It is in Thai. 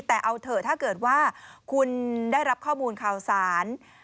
แต่เอาเถอะถ้าเกิดว่าคุณได้รับข้อมูลข่าวสาร